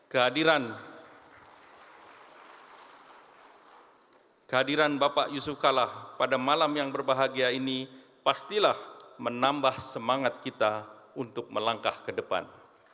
kehadiran bapak yusuf kalla pada malam yang berbahagia ini pastilah menambah semangat kita untuk melangkah ke depan